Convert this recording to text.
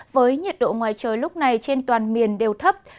với nhiệt độ ngoài trời lúc này trên toàn miền đều thấp